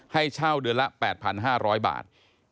ให้เช่าเดือนละ๘๕๐๐บาท